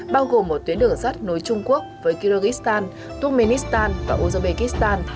bao gồm một tuyến đường sắt nối trung quốc với kyrgyzstan kurmeistan và uzbekistan